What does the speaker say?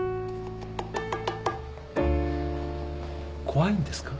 怖いんですか？